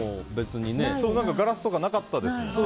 ガラスとかなかったですからね。